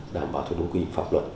đảm bảo thuộc đúng quy định pháp luật